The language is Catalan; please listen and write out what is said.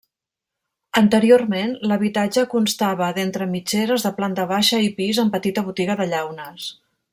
Anteriorment, l'habitatge constava d'entre mitgeres de planta baixa i pis amb petita botiga de llaunes.